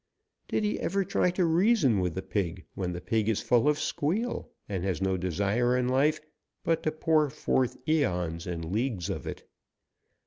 Did he ever try to reason with the pig when the pig is full of squeal, and has no desire in life but to pour forth eons and leagues of it?